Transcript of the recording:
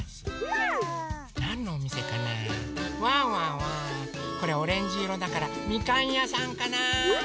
ワンワンはこれオレンジいろだからみかんやさんかな？